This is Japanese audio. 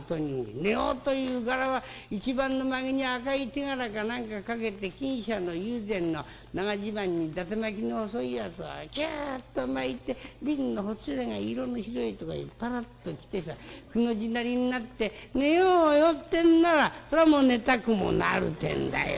寝ようという柄は一番の髷に赤い手絡か何かかけて錦紗の友禅の長襦袢にだて巻きの細いやつをキュッと巻いて鬢のほつれが色の白いとこへパラッと来てさくの字なりになって『寝ようよ』ってんならそれはもう寝たくもなるってんだよ。